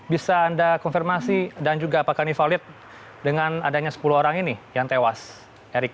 bisa anda konfirmasi dan juga apakah ini valid dengan adanya sepuluh orang ini yang tewas erik